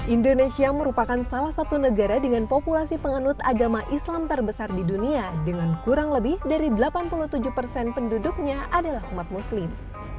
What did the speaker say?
indonesia merupakan salah satu negara dengan populasi penganut agama islam terbesar di dunia dengan kurang lebih dari delapan puluh tujuh persen penduduknya adalah umat muslim